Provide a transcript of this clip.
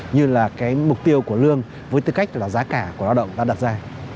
như là cái mục tiêu của lương với tư cách là giá cả của lao động đã đặt ra